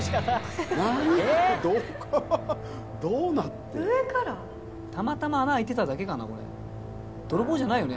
たまたま穴開いてただけかな？